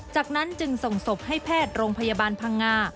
จากนั้นจึงส่งศพให้แพทย์โรงพยาบาลพังงา